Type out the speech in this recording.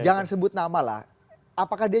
jangan sebut nama lah apakah dia